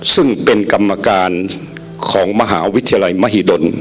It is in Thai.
ซึ่งเป็นกรรมการของมหาวิทยาลัยมหิดล